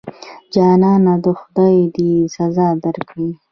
جانانه خدای دې سزا درکړي.